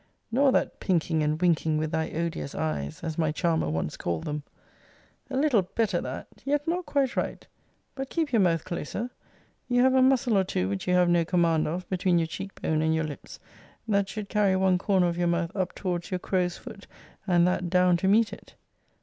Nor that pinking and winking with thy odious eyes, as my charmer once called them. A little better that; yet not quite right: but keep your mouth closer. You have a muscle or two which you have no command of, between your cheek bone and your lips, that should carry one corner of your mouth up towards your crow's foot, and that down to meet it.